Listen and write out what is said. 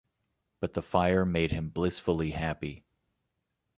But the fire made him blissfully happy.